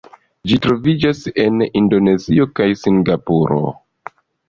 Ĝi troviĝas en Indonezio kaj Singapuro.